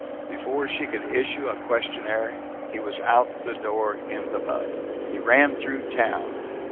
Before she could issue a questionnaire he was out in the bug. He ran through town.